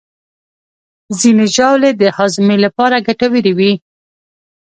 ځینې ژاولې د هاضمې لپاره ګټورې وي.